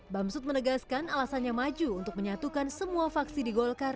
bamsud menegaskan alasannya maju untuk menyatukan semua vaksi di golkar